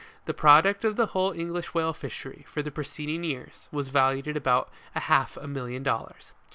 The product of the whole English whale fishery, for the preceeding year, was valued at about a half a million of dollars.